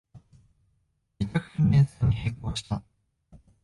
めちゃくちゃな演奏に閉口した